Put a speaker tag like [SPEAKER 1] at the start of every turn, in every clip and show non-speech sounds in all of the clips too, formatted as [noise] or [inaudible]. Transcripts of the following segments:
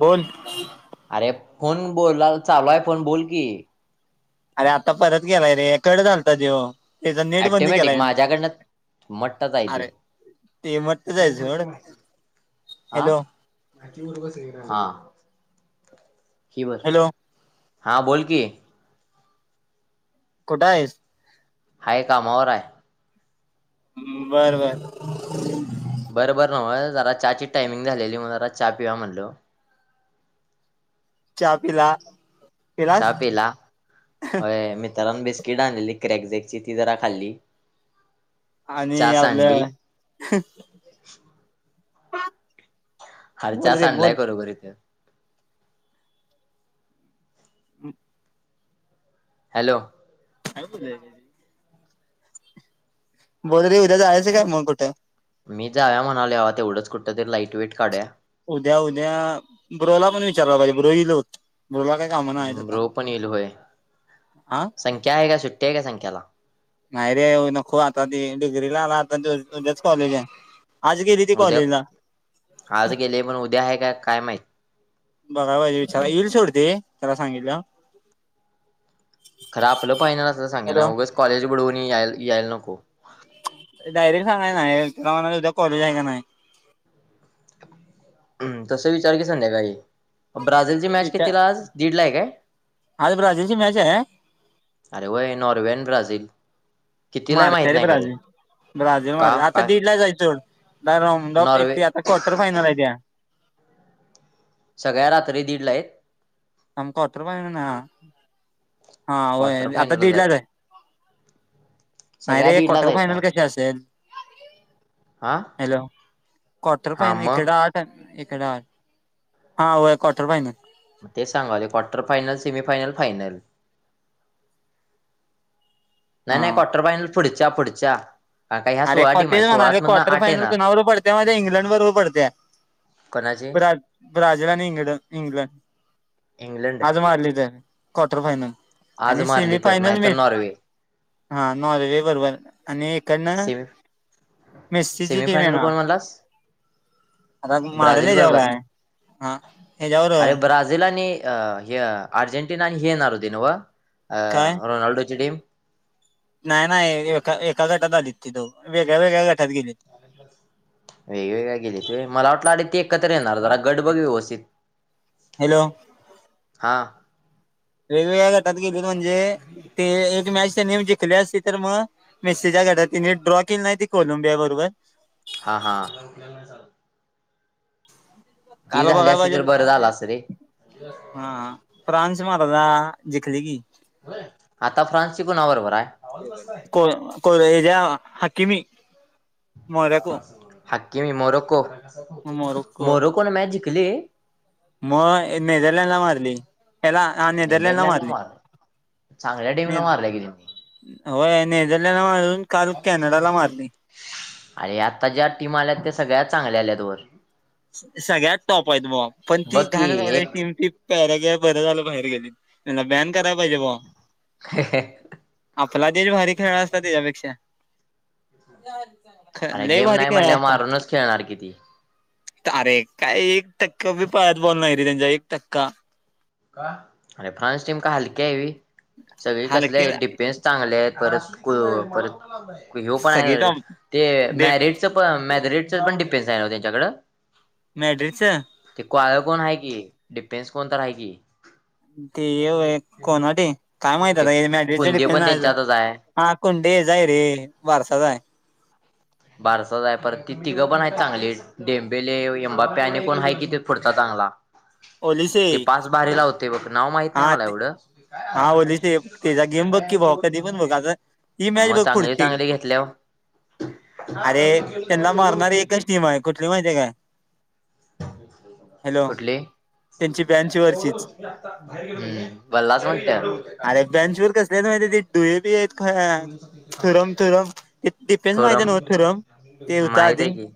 [SPEAKER 1] बोलं
[SPEAKER 2] अरे फोन बोलां चालूं आहे की फोन बोलं की
[SPEAKER 1] अरे आंता परंत गेलांय रे कडं चालतं देवं त्यांचा नेट बंद
[SPEAKER 2] ॲटोमॅटिक
[SPEAKER 1] केलां यांनी
[SPEAKER 2] माझ्याकडनं मट्टच आहे ती
[SPEAKER 1] अरे ते मं जळं हॅलो
[SPEAKER 2] पूर्वज हां कि बरं
[SPEAKER 1] हॅलो
[SPEAKER 2] हां बोलं की
[SPEAKER 1] कुठं आहेसं
[SPEAKER 2] हांय कामांवर आहे
[SPEAKER 1] बरं बरं
[SPEAKER 2] बरंबरं नवं जरां चहा ची टाइमिंग झालेली मंग जरां चहा पिवा म्हणलो
[SPEAKER 1] चहा पिलां
[SPEAKER 2] चहा पिलां होयं मित्रांन बिस्किट आणलेली क्रॅकझेकची ती जरां खांल्ली
[SPEAKER 1] आणि आपल्या हं
[SPEAKER 2] हांचा सांडलाय बरोबर इथं
[SPEAKER 1] अचं
[SPEAKER 2] हॅलो
[SPEAKER 1] खुशांल कुठे आहे बोदरी उद्यां जायचं कायं मंग कुठे
[SPEAKER 2] मी जांव्या म्हणाले यावं तेवढंच कुठं तरी लाईट वेटं कांढया
[SPEAKER 1] उद्यां उद्यां ब्रोला पणं विचारां वालागेल पाहिजे ब्रोईल होतं
[SPEAKER 2] ब्रो पणं येईलोय
[SPEAKER 1] हा
[SPEAKER 2] संख्या आहे कां सुट्टी आहे कां संख्याला
[SPEAKER 1] नाहीं रे नको आंता त डिग्री लां आंला आंतायाचं कॉलेज आहे आज गेली ती
[SPEAKER 2] उद्यां
[SPEAKER 1] कॉलेजला
[SPEAKER 2] आंज गेले पणं उद्यां आहे कायं कायं माहिती
[SPEAKER 1] बघां ये पाहिजे विचारां येईल सोडते त्यांला सांगितलं
[SPEAKER 2] खरं आपलं पाहिणार असं सांगे नां
[SPEAKER 1] हॅलो
[SPEAKER 2] उगचं कॉलेज बडवूंन यां यलां नको
[SPEAKER 1] डायरेक्ट सांगाय नाहीं त्यांला म्हणायचं उद्यां कॉलेज आहे कां नाहीं-
[SPEAKER 2] हम्मं तसं विचारलं की संध्या कांहीं ब्राझील ची मॅच किती लां आंज दीड लां आहे कायं
[SPEAKER 1] आंज ब्राजलची मॅच आहे
[SPEAKER 2] अरे वयं नॉर्वेन ब्राझील कितीलाय माहित
[SPEAKER 1] मारते रे
[SPEAKER 2] नाही खरं
[SPEAKER 1] ब्राझील ब्राझील
[SPEAKER 2] का
[SPEAKER 1] मारते आंता
[SPEAKER 2] काय
[SPEAKER 1] दिड लां जायचं चडं रमडप
[SPEAKER 2] नॉर्वे
[SPEAKER 1] भेटीयां क्वाार्टर फायनांर हांय त्यां
[SPEAKER 2] सगळ्यां रात्री दीड लां आहेतं
[SPEAKER 1] आं म काॅपरो नां हां
[SPEAKER 2] क्वार्टर
[SPEAKER 1] आंता
[SPEAKER 2] फायनलच
[SPEAKER 1] दिडलांच आहे
[SPEAKER 2] आहेत
[SPEAKER 1] नाहीं
[SPEAKER 2] सगळ्या
[SPEAKER 1] रे
[SPEAKER 2] दीडलाच
[SPEAKER 1] काॅक्व्टर
[SPEAKER 2] आहेत का
[SPEAKER 1] फायंनल कशी असेलं
[SPEAKER 2] हा
[SPEAKER 1] हॅलो काॅटर
[SPEAKER 2] हा
[SPEAKER 1] फॅन
[SPEAKER 2] मग
[SPEAKER 1] इकडे आं इकडं हां व्हयं काॅक्व्टर फायंनल
[SPEAKER 2] मं ते सांगलोय quarter final semi final final नायी नायी
[SPEAKER 1] हा
[SPEAKER 2] क्वाटर फानल पुढच्या पुढाच्या
[SPEAKER 1] अरे कतेच म्हणाले काॅर्टर फायनल कुणा पडते माहीती हाय इंग्लंड बरोबर पडतया
[SPEAKER 2] कोणाची
[SPEAKER 1] ब्रा ब्राझील आणि इंग्लं इंग्लंड
[SPEAKER 2] इंग्लंड
[SPEAKER 1] आज मारली क्वार्टर फायनल
[SPEAKER 2] आज
[SPEAKER 1] आणि
[SPEAKER 2] मारली तर
[SPEAKER 1] सेमीफायनल
[SPEAKER 2] नाहीतर
[SPEAKER 1] मीच
[SPEAKER 2] नॉर्वे
[SPEAKER 1] हा नॉर्वे बरोबर आणि इकडनं मेस्सीची
[SPEAKER 2] सेमी
[SPEAKER 1] टीम
[SPEAKER 2] फायनल
[SPEAKER 1] येणार
[SPEAKER 2] कोण म्हणलास
[SPEAKER 1] आता मारेल
[SPEAKER 2] ब्राझील
[SPEAKER 1] ह्याच्यावर
[SPEAKER 2] बरोबर
[SPEAKER 1] आहे हा ह्याच्यावर
[SPEAKER 2] अरे ब्राझीलील आणि अह अर्जेंटीना आणि हे येनार हुती नव
[SPEAKER 1] काय
[SPEAKER 2] रोनाल्डोची टीम
[SPEAKER 1] नाही नाही एका एका गटात आलीत ती दोघ वेगळ्या वेगळ्या गटात गेलेत
[SPEAKER 2] वेगवेेगळ्या गेलीत होय मला वाटलं अ ते एकत्र येणार जरा गड बघ व्यवस्थित
[SPEAKER 1] हॅलो
[SPEAKER 2] हा
[SPEAKER 1] वेगवेगळ्या गटात गेलीत म्हणजे ते एक मॅच त्यांनी जिंकले असते तर मग मेस्सेच्या घडात तिने ड्रॉ केली नाही त कोलंबिया बरोबर
[SPEAKER 2] हा हा ती
[SPEAKER 1] काल
[SPEAKER 2] झाली
[SPEAKER 1] बघाय [inaudible]
[SPEAKER 2] असती तर
[SPEAKER 1] गेलो
[SPEAKER 2] बरं झालं असतं रे
[SPEAKER 1] हा फांस मारदा जकली की
[SPEAKER 2] होय [inaudible] आवाज बसलाय आता फ्रान्सची कुणा बरोबर आहे
[SPEAKER 1] को को र ज्या हकीमी मोरॅको
[SPEAKER 2] हकी मी मरको [inaudible] मर कोण
[SPEAKER 1] मोरक्को
[SPEAKER 2] मोरोको नी मॅच जिंकली
[SPEAKER 1] मग मेझरलँडला मारली एला ह नेदरलडला
[SPEAKER 2] नेदरलँडला
[SPEAKER 1] मारली
[SPEAKER 2] मारलं चांगल्या
[SPEAKER 1] न
[SPEAKER 2] टीमला मारल्या की त्यांनी
[SPEAKER 1] होय नेझडंल वाळु
[SPEAKER 2] [inaudible] आणि आता ज्या टीम आल्यात त्या सगळ्या चांगल्या आल्यात वर
[SPEAKER 1] सगळ्यात टॉप आहेत बावा पण ती
[SPEAKER 2] बघ की
[SPEAKER 1] घाण लावड
[SPEAKER 2] एक
[SPEAKER 1] टीम त पॅरग बरं झालं बाहेर गेली त्याचां बॅन करायला पाहिजे बा आपला देश भारी खेळला असता त्याच्यापेक्षा आ लयी भारी खेळा असतता
[SPEAKER 2] खेळणारण ती
[SPEAKER 1] अरे काय एक टक्का बी पायात बोल नाही रे त्यांचा एक टक्का
[SPEAKER 2] का अरे फ्रान्स टीम का हलकी्या आहे. सगळे कसले
[SPEAKER 1] हलकी
[SPEAKER 2] आहे डीप पेस चांगले आहेत खर च परत पण
[SPEAKER 1] सगळी
[SPEAKER 2] आहे
[SPEAKER 1] टॉप
[SPEAKER 2] ते
[SPEAKER 1] डे
[SPEAKER 2] मॅरेट च पण मॅरेगेट पण [inaudible] डिपें्स आहे त्यांच्याकडं
[SPEAKER 1] मॅड्रिस च
[SPEAKER 2] ते क्वाळ कोण आहे. की डिफेन्स कोण तर आहे की
[SPEAKER 1] ते ये कोणाट काय माहित
[SPEAKER 2] ते
[SPEAKER 1] आता [inaudible] मॅ
[SPEAKER 2] कुंदे
[SPEAKER 1] डिफें
[SPEAKER 2] पण त्यांच्यातच आहे
[SPEAKER 1] हा कोुंडी हे जाय रे वारसा जाय
[SPEAKER 2] बारसं जाय परत ती तिघं पण आहेत चांगली. डेेंबेले [inaudible] एंबा [inaudible] प्याने पण आहे किथ फुडत चांगला
[SPEAKER 1] ओलिसे
[SPEAKER 2] ते पाच बारीे ला होत ते बघ नाव माहित नाही
[SPEAKER 1] हा
[SPEAKER 2] मला
[SPEAKER 1] ते
[SPEAKER 2] एवढं
[SPEAKER 1] हा ओलिसे त्याचा गेम बघ की भावा कधी पण बघ आता ही मॅच
[SPEAKER 2] मग
[SPEAKER 1] बघ
[SPEAKER 2] चांगली,
[SPEAKER 1] पुढची
[SPEAKER 2] चांगली घेतल्यावर
[SPEAKER 1] अरे त्यांना मारणार एकच [inaudible] नियम आहे कुठली माहिती काय? हॅलो
[SPEAKER 2] कुठली?
[SPEAKER 1] त्यांची बँच वरचीच
[SPEAKER 2] [unintelligible] [inaudible] वल्हास म्हणत
[SPEAKER 1] अरे बंचवरर कसले आहेत माहि तिथ डुळे बी आहेत थुरम थुरम [unintelligible]
[SPEAKER 2] माहितेय की,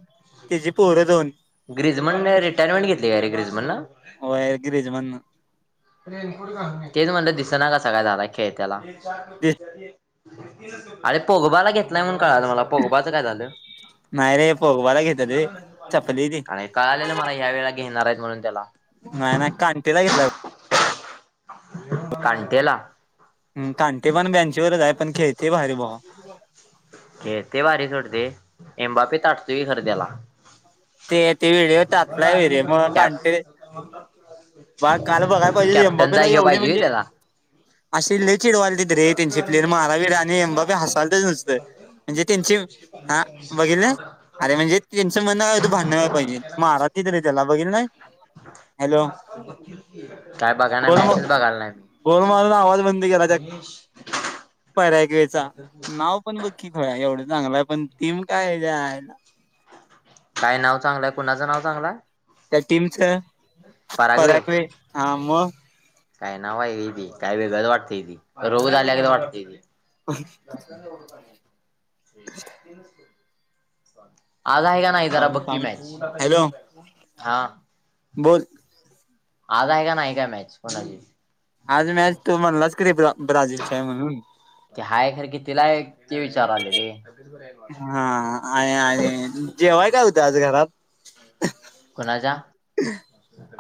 [SPEAKER 1] तेजी पोरं दोन.
[SPEAKER 2] ग्रिजमनने रिटायरमेंट घेतली. का ग्रिजमानला-
[SPEAKER 1] होय, ग्रिजमानन!
[SPEAKER 2] तेच म्हणलं, दिसना का, झालाय खेळ त्याला- अरे! पोगबाला घेतलाय म्हणून कळालं मला पोगबाचं काय झालं?
[SPEAKER 1] नाही रे, पोगबाला घेतला [unintelligible]
[SPEAKER 2] कळलेलं मला ह्या वेळेला घेणार आहेत. म्हणून त्याला.
[SPEAKER 1] नाही नाही, कांटेला घेतलाय बघ!
[SPEAKER 2] कांटेला!
[SPEAKER 1] हं, कांटे पण बँचीवरच आहे. पण खेळते भारी भावा.
[SPEAKER 2] खेळतंय भारी सोड ते [unintelligible] कॅप
[SPEAKER 1] [unintelligible] बा काल बघायला पाहिजे. एम बा पी
[SPEAKER 2] कॅप्टनचा
[SPEAKER 1] ला
[SPEAKER 2] ह्यो
[SPEAKER 1] एवढी
[SPEAKER 2] पाहिजे व्हय
[SPEAKER 1] म्हणजे
[SPEAKER 2] त्याला
[SPEAKER 1] अशी लय चिडवालेत रे, त्यांचे प्लेर मारावी. आणि एम बा पी हसालतेच नुसतं. म्हणजे त्यांची, हा बघीतल अरे, म्हणजे त्यांचं म्हण भांडण होयला पाहिजे मारलीत त्याला बघितलं. हॅलो
[SPEAKER 2] काय बघा नाय,
[SPEAKER 1] गोल म
[SPEAKER 2] मॅचचं बघायला नाहीत.
[SPEAKER 1] गोल मारून आवाज बंद केला त्या [unintelligible] पण बघ की, खुळ्या एवढं चांगलं आहे. पण टीम काय हेच्या आयला
[SPEAKER 2] काय नाव चांगलंय? कुणाचं नाव चांगलंय?
[SPEAKER 1] त्या टीमच!
[SPEAKER 2] परागवे
[SPEAKER 1] [unintelligible] हा मग
[SPEAKER 2] काय नाव हायवय ती वेगळच वाटतंय. ती रोग झाल्यागत वाटतय ती. आज हाय जरा बघ की, मॅच,
[SPEAKER 1] हॅलो
[SPEAKER 2] हा..
[SPEAKER 1] बोलं
[SPEAKER 2] आज आहे का नाही मॅच? कोणाची.
[SPEAKER 1] आज मॅच तू म्हणलास की नाही. ब्रा ब्राझीलची आहे म्हणून.
[SPEAKER 2] ती हाय खर कितीला आहे. ते विचारलो ले रे?
[SPEAKER 1] हा, आहे आहे. जेवाय काय होत आज घरात?
[SPEAKER 2] कोणाच्या?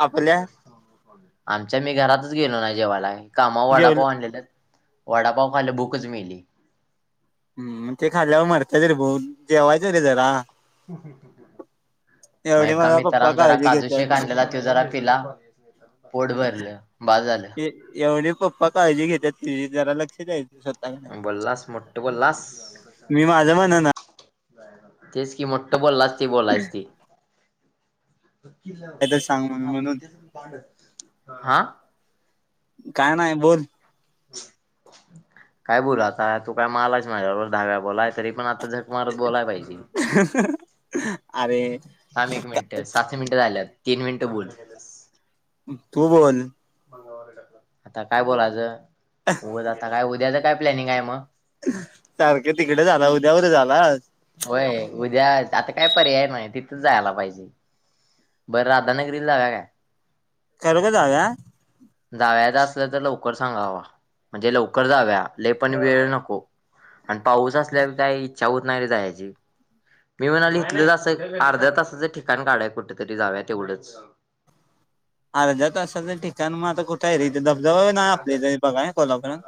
[SPEAKER 1] आपल्या
[SPEAKER 2] आमच्या मी घरातच गेलो नाही. जेवायला कामाव
[SPEAKER 1] जेवल
[SPEAKER 2] वडापाव आणलेल वडापाव खाल्लं भूकच मेली.
[SPEAKER 1] हम्, ते खाल्ल्यावर मरतेच रे, भूक जेवायचं रे जरा.
[SPEAKER 2] मग
[SPEAKER 1] एवढी
[SPEAKER 2] एका
[SPEAKER 1] मला पप्पा
[SPEAKER 2] मित्रान जरा
[SPEAKER 1] काळजी
[SPEAKER 2] काजूशेक
[SPEAKER 1] घेतात
[SPEAKER 2] आणलेला. तो जरा पिला. पोट भरलं. बास झालं.
[SPEAKER 1] एवढी पप्पा काळजी घेतात. तिजी जरा लक्षात द्यायचं. स्वतःकडे
[SPEAKER 2] बोललास! मोठं बोललास!
[SPEAKER 1] मी माझं म्हणन
[SPEAKER 2] तेच की, मोठं बोललाच ते बोलायच ते!
[SPEAKER 1] काय तर सांग म्हणून म्हणून
[SPEAKER 2] [unintelligible] हा,
[SPEAKER 1] काय नाही बोल,
[SPEAKER 2] काय बोलू आता, तू काय मालास माझ्या बरोबर दहा वेळा बोलाय तरी पण आता झ
[SPEAKER 1] [unintelligible] अरे
[SPEAKER 2] थांब, एक मिनिटं, सात मिनिटं झाल्यात. तीन मिनिटं बोल.
[SPEAKER 1] तू बोल
[SPEAKER 2] आता काय बोलायचं [inaudible] उद आता काय उद्याचं काय प्लॅनिंग आहे मग,
[SPEAKER 1] सारखे तिकडे झाला उद्यावर झाला.
[SPEAKER 2] होय उद्या आता काय पर्याय नाही तिथंच जायला पाहिजे बरं राधाान [inaudible] गरीील [inaudible] ला काय?
[SPEAKER 1] चल ग जाऊया
[SPEAKER 2] जाव्याच असलं तर लवकर सांगावा म्हणजे लवकर जाव्या ले पण वेळ नको, आणि पाऊस असल्यावर काही इच्छा होत नाही रे जायची. मी म्हणाले इथलं जसं अर्ध्या तासाचं ठिकाण काढाय कुठेतरी जाव्यात तेवढंच,
[SPEAKER 1] अर्धा तासाच ठिकाण मग आता कुठे आहे [inaudible] रिथे धबधबा नाही आपले जरी बघा कोल्हापुयात.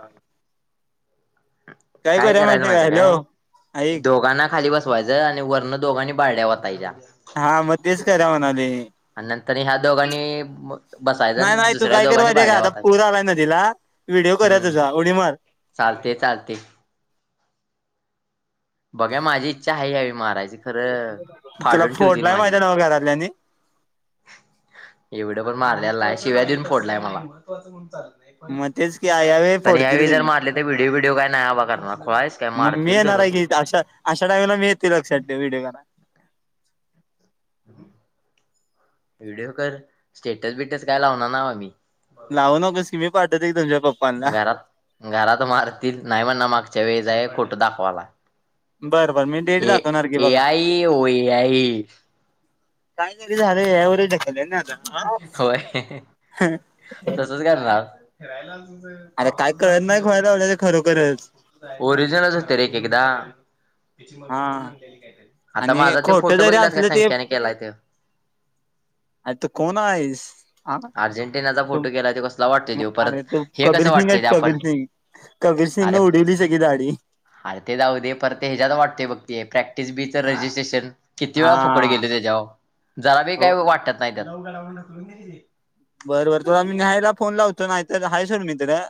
[SPEAKER 2] काय करायचं
[SPEAKER 1] माहितीये का
[SPEAKER 2] माहिती काय
[SPEAKER 1] हॅलो ऐक
[SPEAKER 2] दोघांना खाली बसवायचं आणि वरण दोघांनी बारड्या वतायच्या.
[SPEAKER 1] हा मग तेच करा म्हणाले.
[SPEAKER 2] [inaudible] आणि नंतर ह्या दोघांनी बसायचा आणि
[SPEAKER 1] नाही नाही तू
[SPEAKER 2] दुसऱ्या
[SPEAKER 1] काय कर
[SPEAKER 2] दोघांनी [inaudible]
[SPEAKER 1] माहितीये का
[SPEAKER 2] भड्या [inaudible]
[SPEAKER 1] आता
[SPEAKER 2] होताच्या
[SPEAKER 1] पूर आलाय नदीला व्हिडिओ करूया
[SPEAKER 2] हम्म,
[SPEAKER 1] तुझा उडी मार
[SPEAKER 2] चालते चालते, बघा माझी इच्छा आहे यावी मारायचे खरं
[SPEAKER 1] तुला
[SPEAKER 2] फाडून ठेवतील
[SPEAKER 1] फोडलाय
[SPEAKER 2] माझी.
[SPEAKER 1] [unintelligible] [inaudible]
[SPEAKER 2] एवढं पण मारलेला [inaudible] आहे शिवय देऊन फोडलाय मला,
[SPEAKER 1] मग तेच की यावेळी
[SPEAKER 2] पण
[SPEAKER 1] फोडतील
[SPEAKER 2] यावेळी जर
[SPEAKER 1] तुझी
[SPEAKER 2] मारले तर व्हिडिओ व्हिडिओ काय नाही [inaudible] हवा करणार [inaudible] कोळायच काय
[SPEAKER 1] मग मी
[SPEAKER 2] मारतील
[SPEAKER 1] येणार
[SPEAKER 2] धरून.
[SPEAKER 1] आहे की अशा [inaudible] अाईमला मी येते लक्षात व्हिडिओ कराला.
[SPEAKER 2] व्हिडीओ कर, स्टेटस बिटस काय लावणार नाव मी.
[SPEAKER 1] लावू नकं [inaudible] सी मी पाठत एक तुच्या पप्पांना,
[SPEAKER 2] घरात घरात मारतील नाही म्हणणा मागच्या वेळचा आहे खोटं दाखवायला.
[SPEAKER 1] बरं बरं मी डेट
[SPEAKER 2] ए
[SPEAKER 1] दाखवणार की बघा
[SPEAKER 2] एआई, ओ एआई,
[SPEAKER 1] काहीतरी झालंय वढे [inaudible] ठकलंय ना आता,
[SPEAKER 2] होय तसच करणार.
[SPEAKER 1] अरे काय कळत नाही [inaudible] खयवल्या ते खरोखरच.
[SPEAKER 2] ओरिजिनल असते रे एक एकदा [inaudible] म
[SPEAKER 1] हा
[SPEAKER 2] पण म्हण,
[SPEAKER 1] आणि खोट जरी असलं ते,
[SPEAKER 2] संख्याने केलाय तो
[SPEAKER 1] आता कोण आहेस. हा
[SPEAKER 2] अर्जेंटिनाचा
[SPEAKER 1] तू
[SPEAKER 2] फोटो केलाय तो कसला वाटतोय तो परत
[SPEAKER 1] अरे तू
[SPEAKER 2] हे
[SPEAKER 1] कबीर
[SPEAKER 2] कसं
[SPEAKER 1] सिंग
[SPEAKER 2] वाटतंय
[SPEAKER 1] आहेच
[SPEAKER 2] ते आपण
[SPEAKER 1] कबीर सिंग, कबीर सिंग न उडवली सगी दाडी
[SPEAKER 2] अरे ते जाऊ दे परत ह्यात वाटतय बघ ते प्रॅक्टिस बीच रजिस्ट्रेशन किती
[SPEAKER 1] हा
[SPEAKER 2] वेळा फुकडे गेले त्याच्यावर, जरा बी
[SPEAKER 1] हो
[SPEAKER 2] काही वाटत नाही त्या,
[SPEAKER 1] बर बर त आम्ही [inaudible] ल्याहायला फोन लावतो नाही [inaudible] तरहायचोड मित्र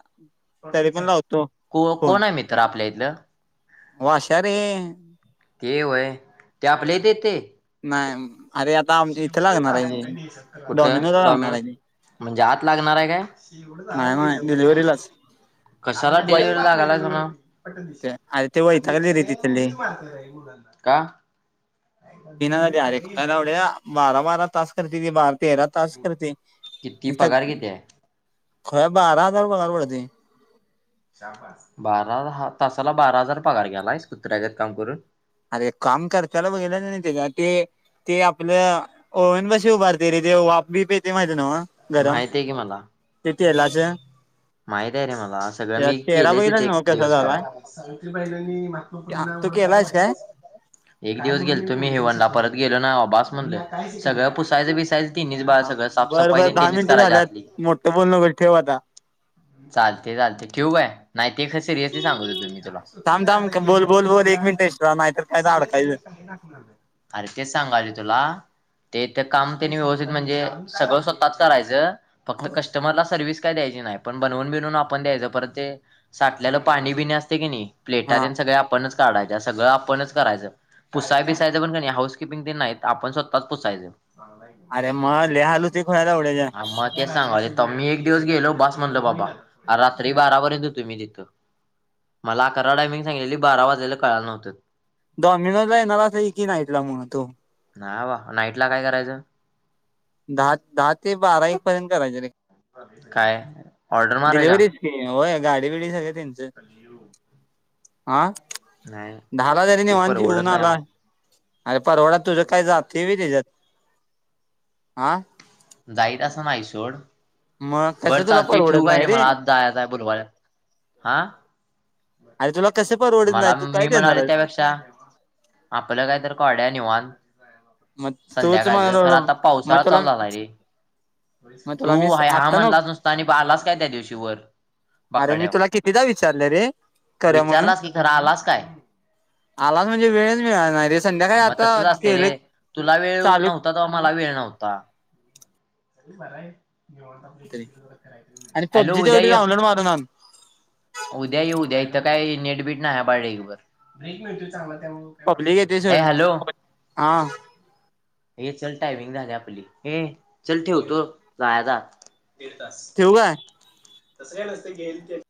[SPEAKER 1] तरी पण लावतो
[SPEAKER 2] को कोण आहे मित्र आपल्या इथलं.
[SPEAKER 1] वाश [inaudible] र
[SPEAKER 2] ते वय [inaudible] त्या [inaudible] आपले देत.
[SPEAKER 1] नाही अरे आता आम इथे लागणार आहे.
[SPEAKER 2] कुठं
[SPEAKER 1] डॉमिनोला लागणार
[SPEAKER 2] डॉमिनोज
[SPEAKER 1] आहे.
[SPEAKER 2] म्हणजे आत लागणार आहे काय,
[SPEAKER 1] नाही नाही
[SPEAKER 2] [unintelligible]
[SPEAKER 1] डिलिव्हरीलाच
[SPEAKER 2] कशाला
[SPEAKER 1] वय
[SPEAKER 2] डिलिव्हरी लागालय [inaudible] तुन [inaudible] प
[SPEAKER 1] ते अरे ते
[SPEAKER 2] आणि्ही
[SPEAKER 1] वैतागले रे
[SPEAKER 2] सगळ
[SPEAKER 1] तिथले
[SPEAKER 2] मुलीच मारत राही मुलांना, का?
[SPEAKER 1] [inaudible] पिनारेक्टला एवड्या बारा बारा तास करते ती बार तेरा तास करते
[SPEAKER 2] किती
[SPEAKER 1] निस्ता.
[SPEAKER 2] पगार किती आहे
[SPEAKER 1] खुळ्या बारा हजार पगार पडतेय.
[SPEAKER 2] शाब्बास. बारा ल हा तासाला बारा हजार पगार घ्यायलास कुत्र्यागत काम करून.
[SPEAKER 1] अरे काम करत्याला बघितलास [unintelligible] तेच्या ते ते आपलं ओव्हन बशी उभारतोय रे देव वाफ बीप येते माहिती न्हव?
[SPEAKER 2] माहिती आहे की मला.
[SPEAKER 1] ते तेलाचं.
[SPEAKER 2] माहित आहे रे मला. सगळं
[SPEAKER 1] त्याचा
[SPEAKER 2] मी
[SPEAKER 1] चेहरा
[SPEAKER 2] केलंय तिथ
[SPEAKER 1] बघितलाच
[SPEAKER 2] एक
[SPEAKER 1] नव्ह
[SPEAKER 2] दिवस थांबून.
[SPEAKER 1] क्या? तू केलायस काय?
[SPEAKER 2] एक दिवस गेलतो मी हेवनला. परत गेलो नाही बाबा बास म्हणलं. सगळं पुसायचं बिसायच तिनीचं बाळ सगळं साफसफई तिनीच करायची आसतीय.
[SPEAKER 1] मोठ्ठं बोलू नकोस ठेव आता.
[SPEAKER 2] चालतंय चालतंय. ठेऊ काय? नाही ते ख सिरियसली सांगत होतो मी तुला.
[SPEAKER 1] थांब थांब बोल बोल बोल एक मिनिट एक्स्ट्रा नाहीतर काय तर
[SPEAKER 2] सगळ सगळ
[SPEAKER 1] अडकायचं.
[SPEAKER 2] काही राखणार नाही. अरे तेच सांगालोय तुला. ते तर काम तिनं येऊ देत म्हणजे, सगळं स्वतःच करायचं. फक्त कस्टमरला सर्व्हिस काय द्यायची नाही. पण बनवून बिनऊन आपण द्यायच. परत ते साठल्यालं पाणी बिनी असतं की नाही? प्लेटा
[SPEAKER 1] हा
[SPEAKER 2] तेन सगळ्या आपणच काढायच्या सगळं आपणच करायचं. पुसाय बिसायंच पण कणी हाऊस किपिंग तेन नाहीत आपण स्वतःच पुसायच. हा
[SPEAKER 1] [unintelligible]
[SPEAKER 2] मग तेच सांगालोय. तमी एक दिवस गेलो. बास म्हणल बाबा, रात्री बारापर्यंत होतो मी तिथं. मला अकरा टायमिंग सांगलेली बारा वाजलेल कळाय नव्हत.
[SPEAKER 1] डॉमिनोजला येणार असला की येकी नाईटला म्हणतो.
[SPEAKER 2] नाही बा. नाईटला काय करायचं?
[SPEAKER 1] दहा दहा ते बारा एक पर्यंत करायच.
[SPEAKER 2] मग काय? ऑर्डर मारायच्या
[SPEAKER 1] डिलिव्हरीच की व्हय गाडी बिडी सगळ त्यांचं. हा.
[SPEAKER 2] नाही
[SPEAKER 1] दहाला जरी
[SPEAKER 2] ते
[SPEAKER 1] निवांत
[SPEAKER 2] परवडत
[SPEAKER 1] जेऊन
[SPEAKER 2] नाही
[SPEAKER 1] आलास
[SPEAKER 2] मग
[SPEAKER 1] अरे परवडात तुझं काय जात व्हय तेच्यात. आ?
[SPEAKER 2] जाईट असे नाही सोड.
[SPEAKER 1] मग कसं
[SPEAKER 2] बरं
[SPEAKER 1] तुला
[SPEAKER 2] चालतंय ठेवू
[SPEAKER 1] परवडत
[SPEAKER 2] काय
[SPEAKER 1] नाही
[SPEAKER 2] रे? मला आत जायचं आहे बुधवारी. आ?
[SPEAKER 1] अरे तुला कसे पारू?
[SPEAKER 2] मला मी म्हणालोय त्यापेक्षा, आपलं काहीतरी काढूया निवांत.
[SPEAKER 1] मग तूच
[SPEAKER 2] संध्याकाळचं.
[SPEAKER 1] मग
[SPEAKER 2] खरं आता
[SPEAKER 1] मग
[SPEAKER 2] पावसाळा
[SPEAKER 1] तुला
[SPEAKER 2] चालू झालाय रे.
[SPEAKER 1] मग
[SPEAKER 2] तू
[SPEAKER 1] तुला मी
[SPEAKER 2] हाय हा
[SPEAKER 1] आता नव
[SPEAKER 2] म्हणलास नुसता आणि बा आलास काय त्या दिवशी वर?
[SPEAKER 1] अरे मी तुला
[SPEAKER 2] बाकाड्यावर
[SPEAKER 1] कितीदा विचारलय रे करूया म्हणून.
[SPEAKER 2] विचारलास की खरं आलास काय
[SPEAKER 1] आलास म्हणजे वेळच मिळाला नाही रे संध्याकाळी
[SPEAKER 2] मग
[SPEAKER 1] आता
[SPEAKER 2] तसच असतय
[SPEAKER 1] केलय.
[SPEAKER 2] रे तुला वेळ व्हु नव्हता तवा मला वेळ नव्हता.
[SPEAKER 1] तरी आणि
[SPEAKER 2] हॅलो
[SPEAKER 1] पबजी
[SPEAKER 2] उद्या य.
[SPEAKER 1] [unintelligible]
[SPEAKER 2] उदया ये. उदया इथं काय नेटबीट नाही हाय बाळा ढीगभर. ब्रेक मिळतोय चांगला त्यामुळं.
[SPEAKER 1] पब्लिक येते
[SPEAKER 2] ये
[SPEAKER 1] सोड
[SPEAKER 2] हॅलो.
[SPEAKER 1] हा
[SPEAKER 2] हे चल टायमिंग झालय आपली. ये चल ठेवतो जायाचं हाय. दीड तास
[SPEAKER 1] ठेवू काय
[SPEAKER 2] तसं काय नसत गेली